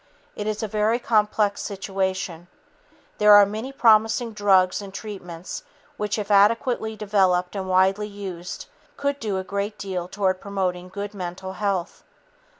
It is a very complex situation. There are many promising drugs and treatments which, if adequately developed and widely used, could do a great deal toward promoting good mental health.